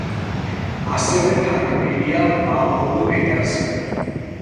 ასევე თარგმნილია მაორულ ენაზე.